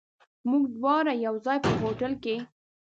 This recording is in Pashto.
موږ دواړه یو ځای، په هوټل کې.